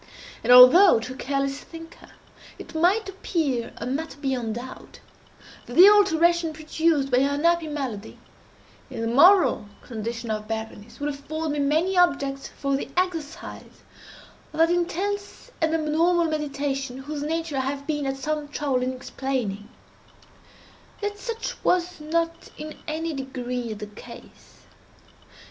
And although, to a careless thinker, it might appear a matter beyond doubt, that the alteration produced by her unhappy malady, in the moral condition of Berenice, would afford me many objects for the exercise of that intense and abnormal meditation whose nature I have been at some trouble in explaining, yet such was not in any degree the case.